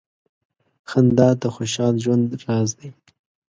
• خندا د خوشال ژوند راز دی.